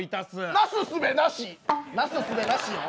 なすすべなしよ。